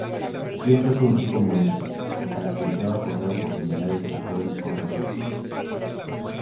Siempre fue un equipo modesto, que se caracterizaba por dar oportunidades a jóvenes corredores.